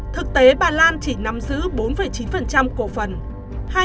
thực tế bà lan chỉ nắm giữ bốn chín cổ phần